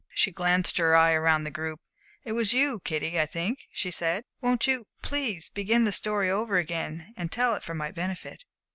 She glanced her eye round the group. "It was you, Kitty, I think," she said. "Won't you please begin the story over again and tell it for my benefit?"